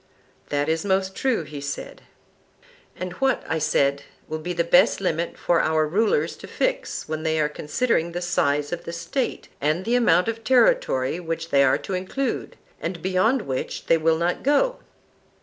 That is most true, he said. And what, I said, will be the best limit for our rulers to fix when they are considering the size of the State and the amount of territory which they are to include, and beyond which they will not go?